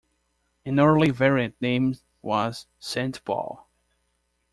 An early variant name was Saint Paul.